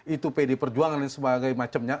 itu pd perjuangan dan sebagainya